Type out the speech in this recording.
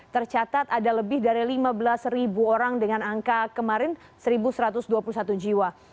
tercatat ada lebih dari lima belas orang dengan angka kemarin satu satu ratus dua puluh satu jiwa